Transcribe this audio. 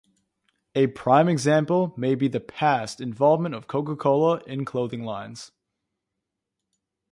A prime example may be the past involvement of Coca-Cola in clothing lines.